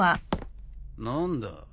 何だ？